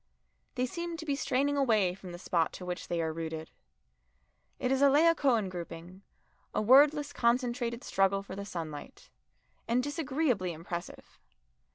They seem to be straining away from the spot to which they are rooted. It is a Laocoon grouping, a wordless concentrated struggle for the sunlight, and disagreeably impressive.